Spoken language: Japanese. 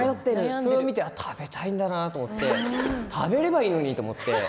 それを見て食べたいんだろうなって食べればいいのにって思って。